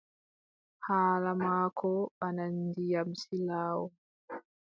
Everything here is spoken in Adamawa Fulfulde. Haala maako bana ndiyam silaawo.